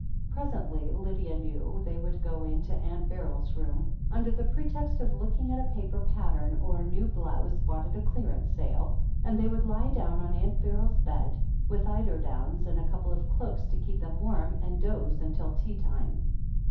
Pres ently, Lydia .knew, they would go into Aunt Beryl's room, under pretext of looking at a paper pattern, or a new blouse bought at a clearance sale, and they would lie down on Aunt Beryl's bed, with eiderdowns and a couple of cloaks to keep them warm, and doze until tea time.